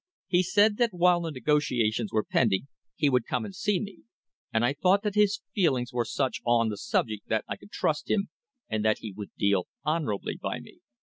He said that while the negotiations were pending he would come and see me, and I thought that his feelings were such on the subject that I could trust him and that he would deal honourably by me.